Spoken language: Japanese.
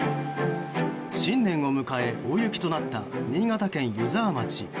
新年を迎え、大雪となった新潟県湯沢町。